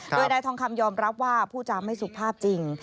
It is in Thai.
โดยนายทองคำยอมรับว่าผู้จำไม่สุภาพจริง